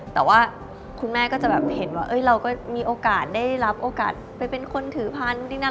แต่ว่าคุณแม่ก็จะแบบเห็นว่าเราก็มีโอกาสได้รับโอกาสไปเป็นคนถือพันธุ์ที่นั่น